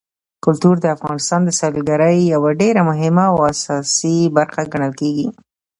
کلتور د افغانستان د سیلګرۍ یوه ډېره مهمه او اساسي برخه ګڼل کېږي.